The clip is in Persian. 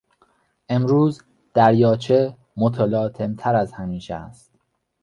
امروز دریاچه متلاطمتر از همیشه است.